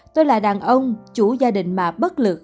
tôi là đàn ông chủ gia đình mà bất lực